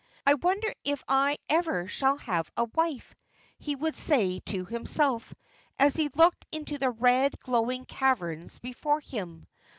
"I wonder if I ever shall have a wife?" he would say to himself, as he looked into the red, glowing caverns before him.